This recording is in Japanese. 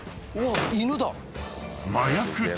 犬だ！